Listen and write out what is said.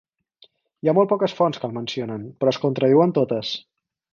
Hi ha molt poques fonts que el mencionen però es contradiuen totes.